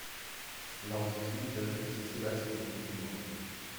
Lord Clinton sait cela sur le bout du doigt.